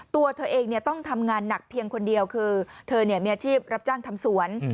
ตัวเธอเองต้องทำงานหนักเพียงคนเดียวคือเธอมีอาชีพรับจ้างทำสวน